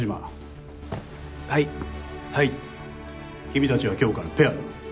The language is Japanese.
君たちは今日からペアだ。